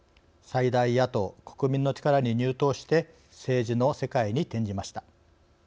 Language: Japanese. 最大野党、国民の力に入党して政治の世界に転じました。